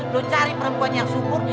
lo cari perempuan yang suburnya